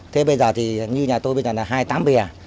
thế bây giờ thì như nhà tôi bây giờ là hai mươi tám bìa